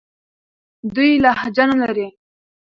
دوی لهجه نه لري.